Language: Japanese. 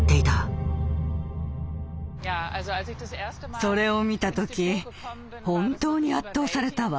それを見た時本当に圧倒されたわ。